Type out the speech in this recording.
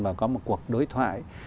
và có một cuộc đối thoại